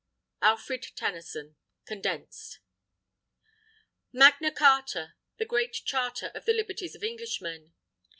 _ ALFRED TENNYSON (Condensed) Magna Carta! The Great Charter of the liberties of Englishmen!